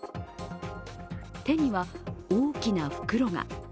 手には大きな袋が。